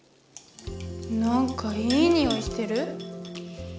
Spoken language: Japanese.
なんかいいにおいしてる？